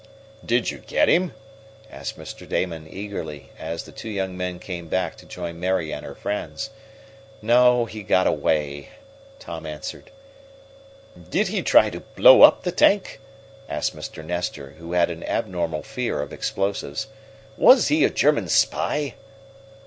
"Did you get him?" asked Mr. Damon eagerly, as the two young men came back to join Mary and her friends. "No, he got away," Tom answered. "Did he try to blow up the tank?" asked Mr. Nestor, who had an abnormal fear of explosives. "Was he a German spy?"